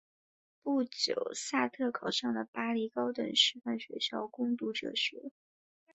不久萨特考上了巴黎高等师范学校攻读哲学。